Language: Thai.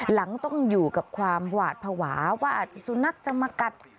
หลังต้องอยู่กับความหวาดภาวะว่าอาจจะสุนัขจะมากัด